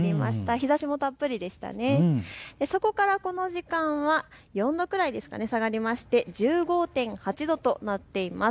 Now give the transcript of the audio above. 日ざしもたっぷりでそこからこの時間は４度くらい下がりまして１５．８度となっています。